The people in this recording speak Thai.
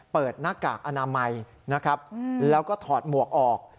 หน้ากากอนามัยนะครับแล้วก็ถอดหมวกออก